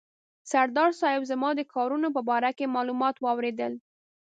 سردار صاحب زما د کارونو په باره کې معلومات واورېدل.